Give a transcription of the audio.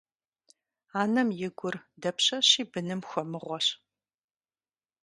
Анэм и гур дапщэщи быным хуэмыгъуэщ.